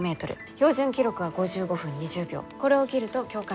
標準記録は５５分２０秒これを切ると強化